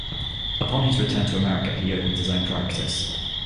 Upon his return to America, he opened his own practice.